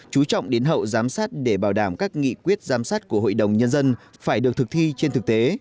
chú trọng đến hậu giám sát để bảo đảm các nghị quyết giám sát của hội đồng nhân dân phải được thực thi trên thực tế